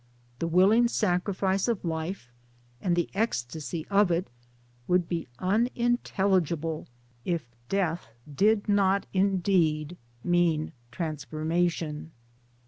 The willing sacrifice of life, and the ecstasy of it, would be unintelligible if Death did not indeed mean Transformation.